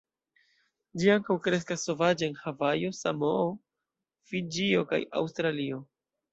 Ĝi ankaŭ kreskas sovaĝe en Havajo, Samoo, Fiĝio kaj Aŭstralio.